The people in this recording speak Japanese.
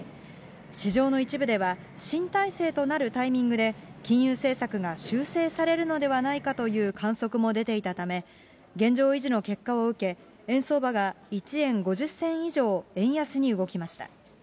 市場の一部では、新体制となるタイミングで、金融政策が修正されるのではないかという観測も出ていたため、現状維持の結果を受け、円相場が１円５０銭以上円安に動きました。